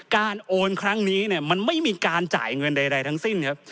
โอนครั้งนี้เนี่ยมันไม่มีการจ่ายเงินใดทั้งสิ้นครับ